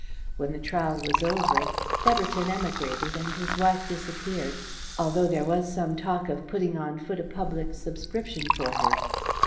When the trial was over Theberton emigrated, and his wife disappeared, although there was some talk of putting on foot a public subscription for her.